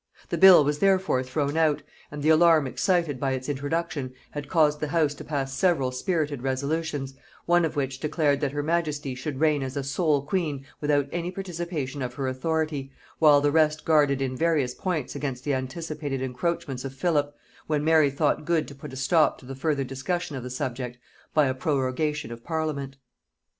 The bill was therefore thrown out; and the alarm excited by its introduction had caused the house to pass several spirited resolutions, one of which declared that her majesty should reign as a sole queen without any participation of her authority, while the rest guarded in various points against the anticipated encroachments of Philip, when Mary thought good to put a stop to the further discussion of the subject by a prorogation of parliament.